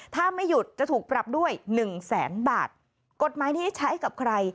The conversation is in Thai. ถ้าไม่หยุดจะถูกปรับด้วยหนึ่งแสนบาทกฎหมายนี้ใช้กับใคร